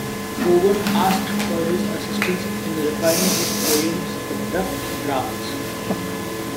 Owen asked for his assistance in refining his poems' rough drafts.